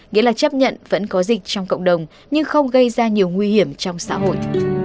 nghĩa là chấp nhận vẫn có dịch trong cộng đồng nhưng không gây ra nhiều nguy hiểm trong xã hội